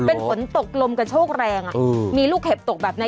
เป็นฝนตกลมกระโชกแรงมีลูกเห็บตกแบบนี้